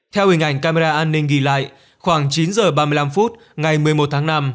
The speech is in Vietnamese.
theo hình ảnh camera an ninh ghi lại khoảng chín h ba mươi năm phút ngày một mươi một tháng năm